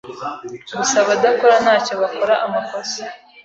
Gusa abadakora ntacyo bakora amakosa.